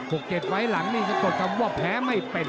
พอเก็บไว้หลังนี่จะกดคำว่าแพ้ไม่เป็น